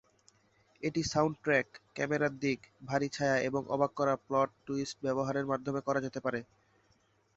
এটি সাউন্ডট্র্যাক, ক্যামেরার দিক, ভারী ছায়া এবং অবাক করা প্লট টুইস্ট ব্যবহারের মাধ্যমে করা যেতে পারে।